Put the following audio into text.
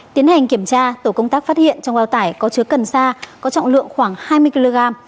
tiến hành kiểm tra tổ công tác phát hiện trong bao tải có chứa cần sa có trọng lượng khoảng hai mươi kg